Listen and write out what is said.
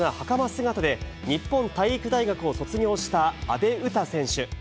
姿で、日本体育大学を卒業した阿部詩選手。